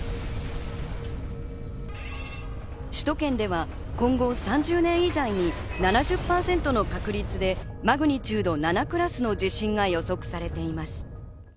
首都圏では今後３０年以内に７０％の確率でマグニチュード７クラスの地震が予測されています。